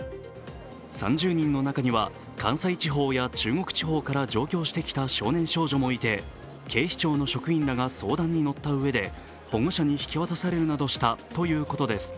３０人の中には関西地方や中国地方から上京してきた少年少女もいて警視庁の職員らが相談に乗ったうえで、保護者に引き渡されるなどしたということです。